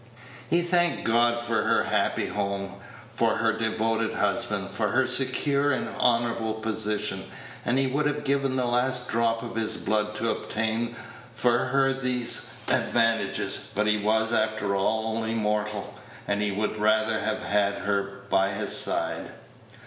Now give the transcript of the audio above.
He thanked God for her happy home, for her devoted husband, for her secure and honorable position; and he would have given the last drop of his blood to obtain for her these advantages; but he was, after all, only mortal, and he would rather have had her by his side.